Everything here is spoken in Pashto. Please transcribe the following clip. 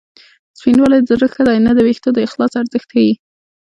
سپینوالی د زړه ښه دی نه د وېښتو د اخلاص ارزښت ښيي